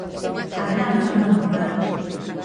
A gran dama do mar.